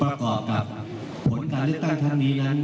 ประกอบกับผลการเลือกตั้งครั้งนี้นั้น